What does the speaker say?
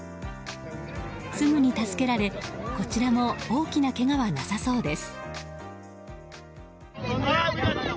すぐに助けられ、こちらも大きなけがは、なさそうです。